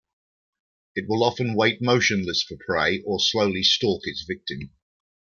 It will often wait motionless for prey, or slowly stalk its victim.